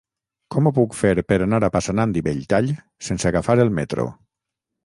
Com ho puc fer per anar a Passanant i Belltall sense agafar el metro?